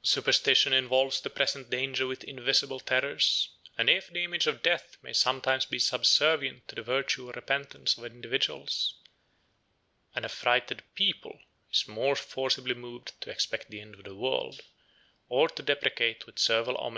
Superstition involves the present danger with invisible terrors; and if the image of death may sometimes be subservient to the virtue or repentance of individuals, an affrighted people is more forcibly moved to expect the end of the world, or to deprecate with servile homage the wrath of an avenging Deity.